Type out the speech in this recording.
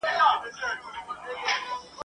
هر یو پر خپله لاره روان سي ..